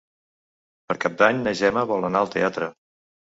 Per Cap d'Any na Gemma vol anar al teatre.